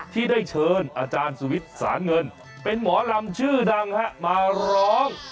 ที่ได้เชิญอาจารย์สุวิทย์สารเงินเป็นหมอลำชื่อดังมาร้อง